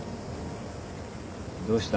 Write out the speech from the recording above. どうした？